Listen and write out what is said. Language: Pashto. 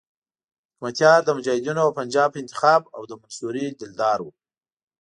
حکمتیار د مجاهدینو او پنجاب انتخاب او د منصوري دلدار وو.